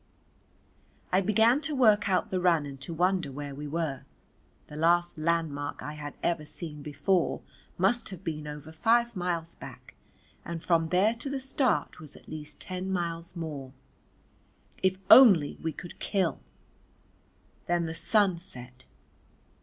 I began to work out the run and to wonder where we were. The last landmark I had ever seen before must have been over five miles back and from there to the start was at least ten miles more. If only we could kill! Then the sun set.